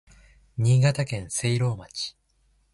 新潟県聖籠町